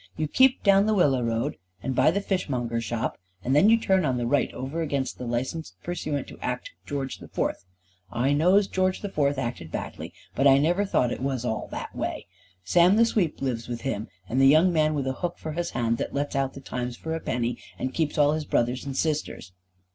You keep down the Willa Road, and by the fishmonger's shop, and then you turn on the right over against the licensed pursuant to Act of George the Fourth. I knows George the Fourth acted badly, but I never thought it was that way. Sam the Sweep lives with him, and the young man with a hook for his hand that lets out the 'Times' for a penny, and keeps all his brothers and sisters."